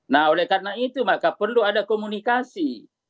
nah oleh karena itu maka perlu ada komunikasi